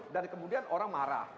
dan kemudian orang marah